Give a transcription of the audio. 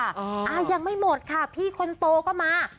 อ่ายังไม่หมดค่ะพี่คนโตก็มา